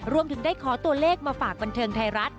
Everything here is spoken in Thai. รวมถึงได้ขอตัวเลขมาฝากบันเทิงไทยรัฐ